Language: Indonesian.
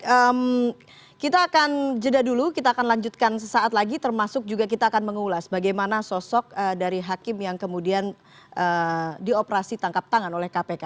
oke kita akan jeda dulu kita akan lanjutkan sesaat lagi termasuk juga kita akan mengulas bagaimana sosok dari hakim yang kemudian dioperasi tangkap tangan oleh kpk